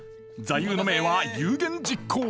座右の銘は「有言実行」。